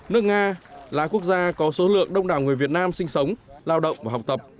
nước nga là quốc gia có số lượng đông đảo người việt nam sinh sống lao động và học tập